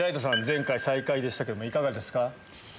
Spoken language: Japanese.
前回最下位でしたけどいかがですか？